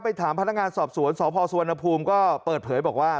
ถามพนักงานสอบสวนสพสุวรรณภูมิก็เปิดเผยบอกว่า